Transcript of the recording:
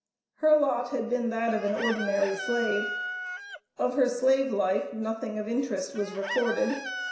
Her lot had been that of an ordinary slave. Of her slave life nothing of interest was recorded.